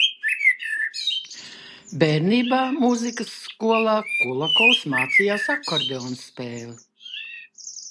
Bērnībā mūzikas skolā Kulakovs mācījies akordeona spēli.